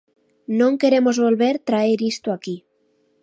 Non queremos volver traer isto aquí.